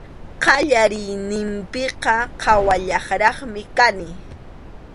Qallariyninpiqa qhawallaqraq kani.